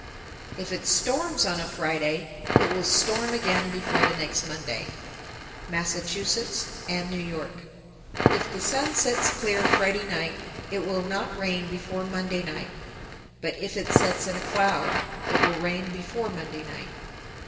_ 938. If it storms on a Friday, it will storm again before the next Monday. Massachusetts and New York. 939. If the sun sets clear Friday night, it will not rain before Monday night; but if it sets in a cloud, it will rain before Monday night.